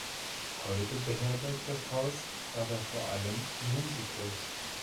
Heute beherbergt das Haus aber vor allem Musicals.